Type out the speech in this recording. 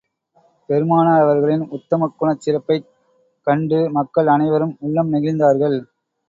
பெருமானார் அவர்களின் உத்தமக் குணச் சிறப்பைக் கண்டு மக்கள் அனைவரும் உள்ளம் நெகிழ்ந்தார்கள்.